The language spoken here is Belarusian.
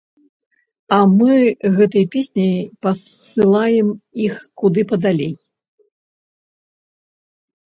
А мы гэтай песняй пасылаем іх куды падалей.